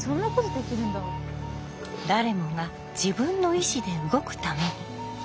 誰もが自分の意思で動くために。